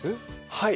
はい。